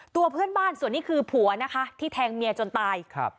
ตัวเพื่อนบ้านส่วนนี้คือผัวนะคะที่แทงเมียจนตายครับ